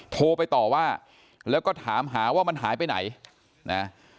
โทรไปต่อว่าแล้วก็ถามหาว่ามันหายไปไหนนะ